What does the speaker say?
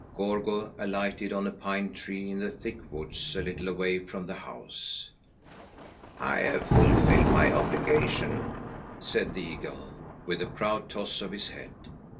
Gorgo alighted on a pine tree in the thick woods a little away from the house. "I have fulfilled my obligation," said the eagle, with a proud toss of his head.